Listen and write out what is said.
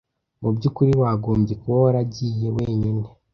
Mubyukuri wagombye kuba waragiye wenyine.